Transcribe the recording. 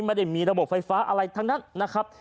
ไม่ได้มีระบบไฟฟ้าอะไรทั้งนั้นนะครับ